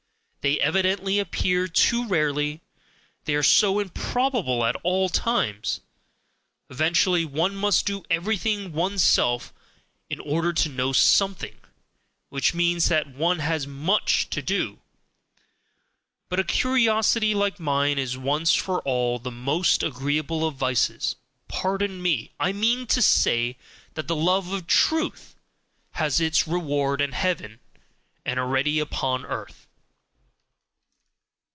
they evidently appear too rarely, they are so improbable at all times! Eventually one must do everything ONESELF in order to know something; which means that one has MUCH to do! But a curiosity like mine is once for all the most agreeable of vices pardon me! I mean to say that the love of truth has its reward in heaven, and already upon earth.